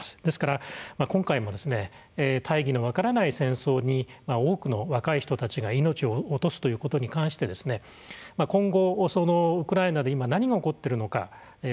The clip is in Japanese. ですから、今回も大義の分からない戦争に多くの若い人たちが若い命を落とすということで今後、ウクライナで今、何が起こっているのか。